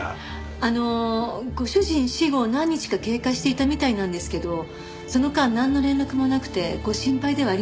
あのご主人死後何日か経過していたみたいなんですけどその間なんの連絡もなくてご心配ではありませんでしたか？